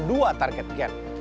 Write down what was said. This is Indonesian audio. dua target gen